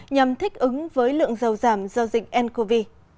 nhằm thích ứng với lượng dầu giảm do dịch ncov